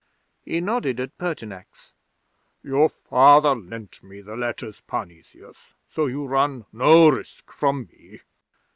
He nodded at Pertinax. "Your Father lent me the letters, Parnesius, so you run no risk from me."